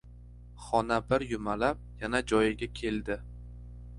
Xona bir yumalab, yana joyiga keldi.